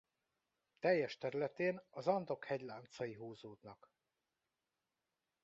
Teljes területén az Andok hegyláncai húzódnak.